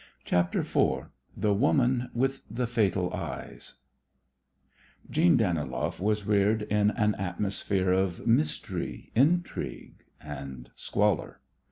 CHAPTER IV THE WOMAN WITH THE FATAL EYES Jeanne Daniloff was reared in an atmosphere of mystery, intrigue and squalor.